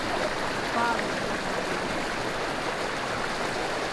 Палыдыме улыт.